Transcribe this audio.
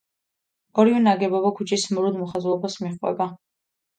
ორივე ნაგებობა ქუჩის მრუდ მოხაზულობას მიჰყვება.